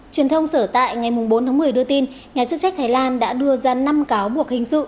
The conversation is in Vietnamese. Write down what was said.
truyền thông sở tại ngày bốn tháng một mươi đưa tin nhà chức trách thái lan đã đưa ra năm cáo buộc hình sự